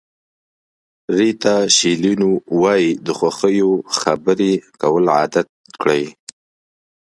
ریتا شیلینو وایي د خوښیو خبرې کول عادت کړئ.